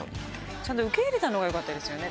ちゃんと受け入れたのがよかったですね。